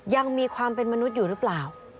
ยังมีความเป็นมนุษย์อยู่หรือเปล่า